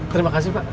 terima kasih pak